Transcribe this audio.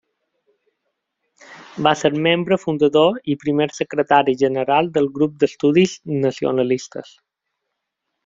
Va ser membre fundador i primer secretari general del Grup d’Estudis Nacionalistes.